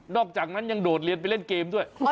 อกจากนั้นยังโดดเรียนไปเล่นเกมด้วย